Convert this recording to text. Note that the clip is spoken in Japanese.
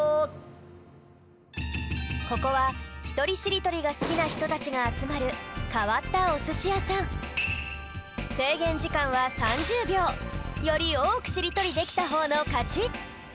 ここはひとりしりとりがすきなひとたちがあつまるかわったおすしやさんよりおおくしりとりできたほうのかち！